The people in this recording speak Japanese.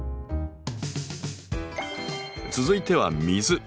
続いては「水」。